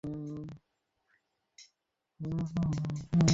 সেই পদবীটা চাওয়ার অধিকার আমার আছে।